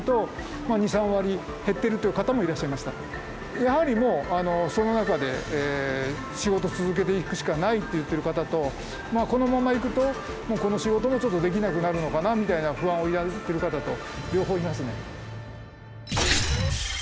やはりもうその中で仕事を続けていくしかないって言ってる方とこのままいくとこの仕事もちょっとできなくなるのかなみたいな不安を抱いてる方と両方いますね。